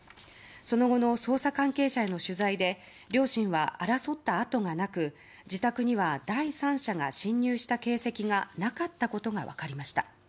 その後の捜査関係者への取材で両親は争った跡がなく自宅には第三者が侵入した形跡がなかったことが分かりました。